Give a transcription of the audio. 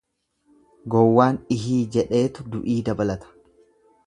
Gowwaan ihii jedheetu du'ii dabalata.